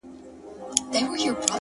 ډېوه سلگۍ وهي کرار ـ کرار تياره ماتېږي’